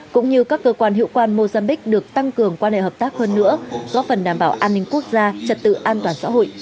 cũng như các cơ quan hiệu quan mozambiq được tăng cường quan hệ hợp tác hơn nữa góp phần đảm bảo an ninh quốc gia trật tự an toàn xã hội